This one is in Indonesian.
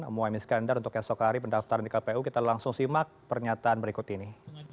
mohaimin skandar untuk esok hari pendaftaran di kpu kita langsung simak pernyataan berikut ini